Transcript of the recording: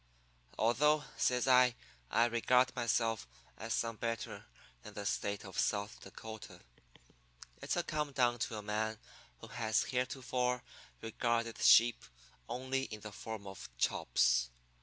Although,' says I, 'I regard myself as some better than the State of South Dakota, it's a come down to a man who has heretofore regarded sheep only in the form of chops.